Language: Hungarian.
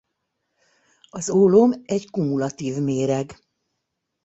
Az ólom egy kumulatív méreg.